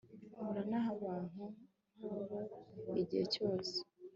nkorana nabantu nkabo igihe cyose